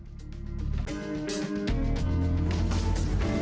jangan lupa subscribe like share komen dan share